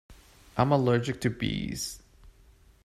I am allergic to bees.